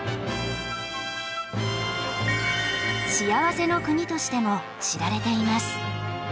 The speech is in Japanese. しあわせの国としても知られています。